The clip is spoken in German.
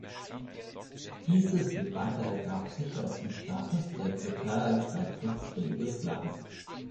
Diese Debatte ergab sich aus dem Status der Türkei als beitrittswilliges Land.